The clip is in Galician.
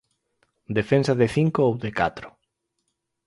Defensa de cinco ou de catro.